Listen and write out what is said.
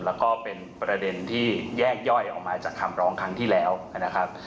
แล้วก็เป็นประเด็นที่แยกย่อยออกมาจากคำร้องครั้งที่แล้วนะครับ